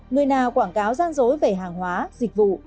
người nào quảng cáo gian dối về hàng hóa dịch vụ